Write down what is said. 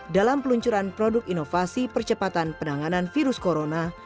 dalam peluncuran produk inovasi percepatan penanganan virus corona